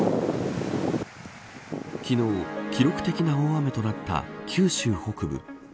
昨日、記録的な大雨となった九州北部。